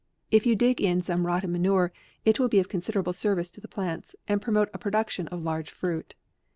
If you dig in some rotten manure, it will be of considerable service to the plants, and promote a production of large fruit."